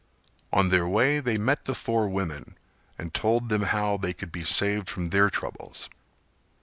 On their way they met the four women and told them how they could be saved from their troubles.